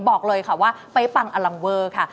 บอกเลยค่ะว่าไปฟังอลัมเวอร์ค่ะ